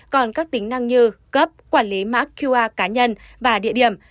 còn các tính năng như cấp quản lý mã qr cá nhân và địa điểm